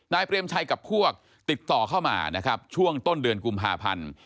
เปรมชัยกับพวกติดต่อเข้ามานะครับช่วงต้นเดือนกุมภาพันธ์